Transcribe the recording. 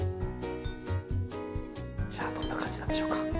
じゃあどんな感じなんでしょうか。